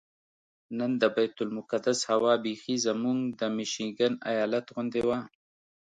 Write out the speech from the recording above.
نن د بیت المقدس هوا بیخي زموږ د میشیګن ایالت غوندې وه.